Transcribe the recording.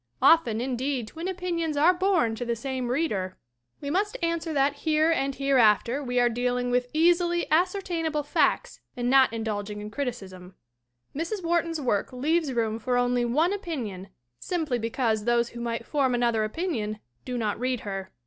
Often, indeed, twin opinions are born to the same reader ! We must answer that here and hereafter we are dealing with easily ascertainable facts and not in dulging in criticism. Mrs. Wharton's work leaves room for only one opinion simply because those who might form another opinion do not read her.